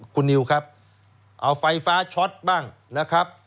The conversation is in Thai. คุณนิวครับเอาไฟฟ้าช็อตบ้างนะครับ